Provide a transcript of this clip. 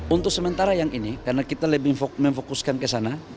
untuk sementara yang ini karena kita lebih memfokuskan ke sana